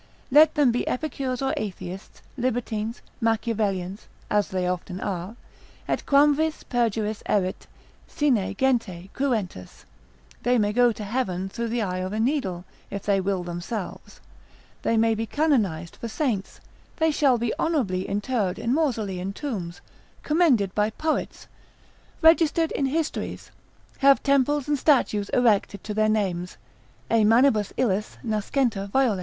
Let them be epicures, or atheists, libertines, Machiavellians, (as they often are) Et quamvis perjuris erit, sine gente, cruentus, they may go to heaven through the eye of a needle, if they will themselves, they may be canonised for saints, they shall be honourably interred in Mausolean tombs, commended by poets, registered in histories, have temples and statues erected to their names,—e manibus illis—nascentur violae.